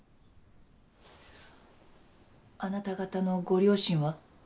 あなた方のご両親は？